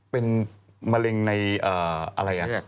เป็นมะเร็งในอะไร